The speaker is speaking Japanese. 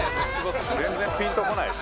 齊藤：全然ピンとこないです。